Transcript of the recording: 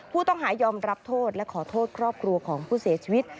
ผู้ต้องหายอมรับโทษและขอโทษครอบครัวของผู้เสียชีวิต